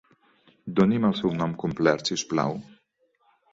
Doni'm el seu nom complet si us plau.